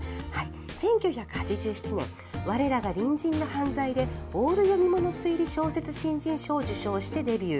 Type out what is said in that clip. １９８７年「我らが隣人の犯罪」でオール讀物推理小説新人賞を受賞してデビュー。